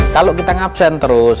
kalau kita ngabsen terus